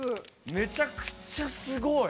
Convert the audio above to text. めちゃくちゃすごい！